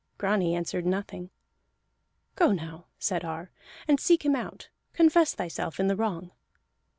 Grani answered nothing. "Go now," said Ar, "and seek him out. Confess thyself in the wrong."